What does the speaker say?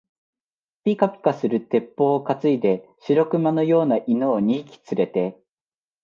ぴかぴかする鉄砲をかついで、白熊のような犬を二匹つれて、